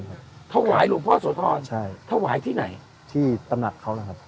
ถวายหลวงพ่อโสธรใช่ถวายที่ไหนที่ตำหนักเขาล่ะครับ